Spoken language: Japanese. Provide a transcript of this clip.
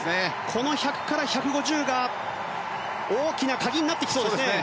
この１００から１５０が大きな鍵になってきそうですね。